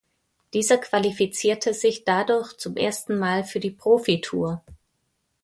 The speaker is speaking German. Dieser qualifizierte sich dadurch zum ersten Mal für die Profitour.